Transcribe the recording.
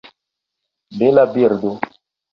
Bela birdo!